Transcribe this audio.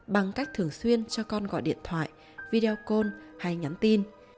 bằng cách thường xuyên cho con gọi điện thoại video hay nhắn tin